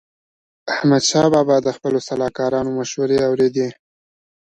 احمدشاه بابا د خپلو سلاکارانو مشوري اوريدي.